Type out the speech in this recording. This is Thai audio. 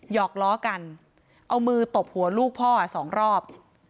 หอกล้อกันเอามือตบหัวลูกพ่อสองรอบ